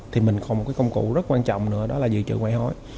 thì mình còn một cái công cụ rất quan trọng nữa đó là dự trữ ngoại hối